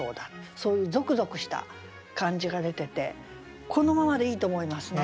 そういうゾクゾクした感じが出ててこのままでいいと思いますね。